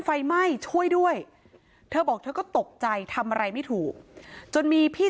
ไฟไหม้ช่วยด้วยเธอบอกเธอก็ตกใจทำอะไรไม่ถูกจนมีพี่